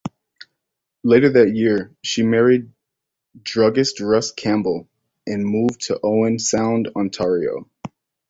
Later that year, she married druggist Russ Campbell and moved to Owen Sound, Ontario.